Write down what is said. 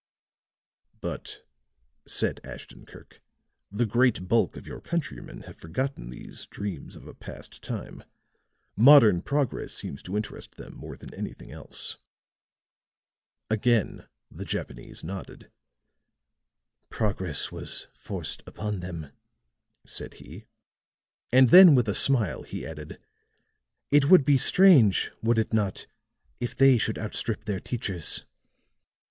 "But," said Ashton Kirk, "the great bulk of your countrymen have forgotten these dreams of a past time. Modern progress seems to interest them more than anything else." Again the Japanese nodded. "Progress was forced upon them," said he, and then with a smile, he added: "It would be strange, would it not, if they should outstrip their teachers?"